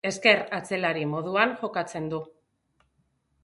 Ezker atzelari moduan jokatzen du.